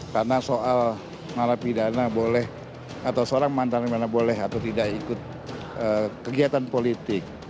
karena soal mengalami dana boleh atau seorang mantan mana boleh atau tidak ikut kegiatan politik